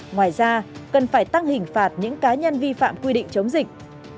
ngoài ra cần phải tăng hình phạt những cá nhân vi phạm quy định chống dịch